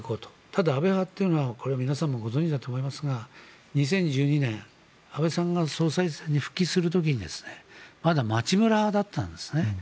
ただ、安倍派というのは皆さんもご存じだと思いますが２０１２年安倍さんが総裁選に復帰する時にまだ町村派だったんですね。